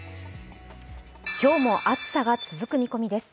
今日も暑さが続く見込みです。